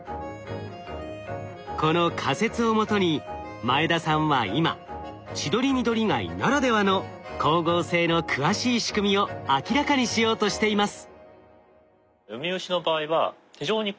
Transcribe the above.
この仮説をもとに前田さんは今チドリミドリガイならではの光合成の詳しい仕組みを明らかにしようとしています。